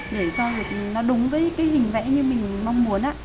để cho nó đúng với cái hình vẽ như mình mong muốn ạ